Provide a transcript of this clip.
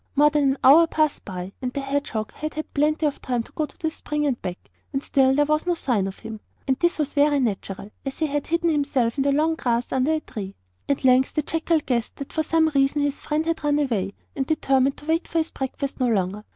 More than an hour passed by and the hedgehog had had plenty of time to go to the spring and back, and still there was no sign of him. And this was very natural, as he had hidden himself in some long grass under a tree! At length the jackal guessed that for some reason his friend had run away, and determined to wait for his breakfast no longer.